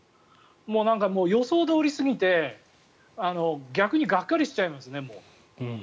もう予想どおりすぎて逆にがっかりしちゃいますね。